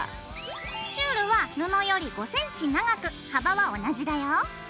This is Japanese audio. チュールは布より５ｃｍ長く幅は同じだよ。